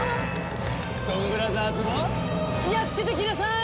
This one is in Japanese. ドンブラザーズをやっつけてきなさい！